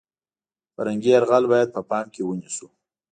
فرهنګي یرغل باید په پام کې ونیسو .